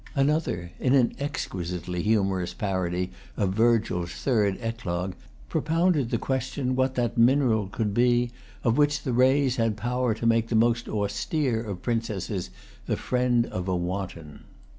Another, in an exquisitely humorous parody of Virgil's third eclogue, propounded the question what that mineral could be of which the rays had power to make the most austere of princesses the friend of a wanton.